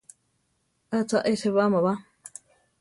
¿ʼA cha e sébama ba?